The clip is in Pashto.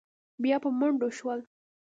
بيا په منډو شول.